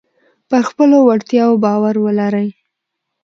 پر خپلو وړتیاو باور ولرئ.